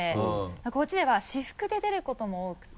こっちでは私服で出ることも多くて。